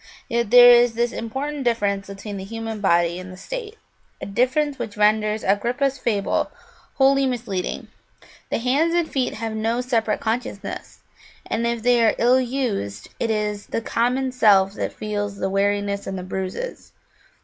Yet there is this important difference between the human body and the state, a difference which renders Agrippa's fable wholly misleading: the hands and feet have no separate consciousness, and if they are ill used it is the common self that feels the weariness and the bruises.